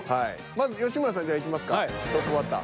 まず吉村さんじゃあいきますかトップバッター。